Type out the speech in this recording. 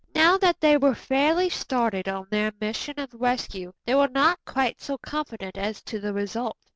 Now that they were fairly started on their mission of rescue, they were not quite so confident as to the result.